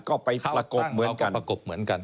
ก็ไปประกบเหมือนกัน